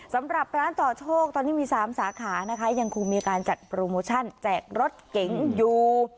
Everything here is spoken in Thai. สำหรับร้านต่อโชคตอนนี้มี๓สาขานะคะยังคงมีการจัดโปรโมชั่นแจกรถเก๋งอยู่